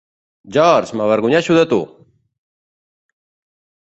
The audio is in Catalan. George, m'avergonyeixo de tu!